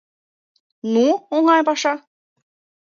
Ну, оҥай паша!